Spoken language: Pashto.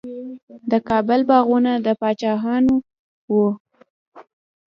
د کابل باغونه د پاچاهانو وو.